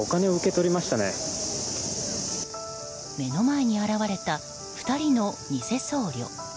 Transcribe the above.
目の前に現れた２人のニセ僧侶。